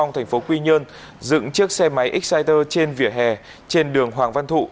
trong đêm thành phố quy nhơn dựng chiếc xe máy exciter trên vỉa hè trên đường hoàng văn thụ